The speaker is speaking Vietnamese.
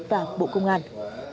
và bộ công an